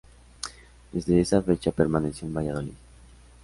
Desde esa fecha permaneció en Valladolid.